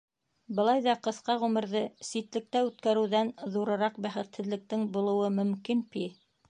Былай ҙа ҡыҫҡа ғүмерҙе ситлектә үткәреүҙән ҙурыраҡ бәхетһеҙлектең булыуы мөмкинме пи!